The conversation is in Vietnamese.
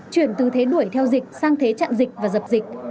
chuyển từ thế đuổi theo dịch sang thế trận dịch và dập dịch